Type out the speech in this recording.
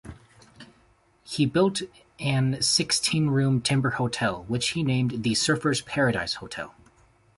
He built an sixteen room timber hotel, which he named the Surfers Paradise Hotel.